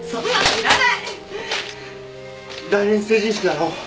来年成人式だろ？